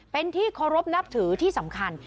เป็นที่เคารพนับถือที่สำคัญ